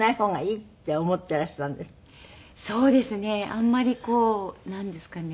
あんまりこうなんですかね。